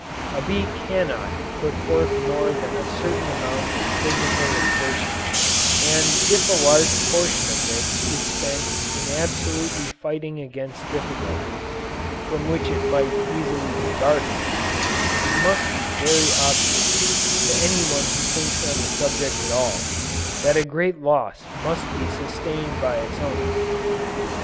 A bee cannot put forth more than a certain amount of physical exertion, and if a large portion of this is spent in absolutely fighting against difficulties, from which it might easily be guarded, it must be very obvious to any one who thinks on the subject at all, that a great loss must be sustained by its owner.